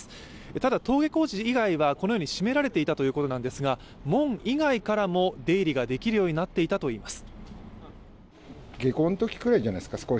ただ、登下校時以外はこのように閉められていたということなんですが門以外からも出入りができるようになっていたといいます。